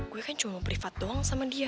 gue kan cuma privat doang sama dia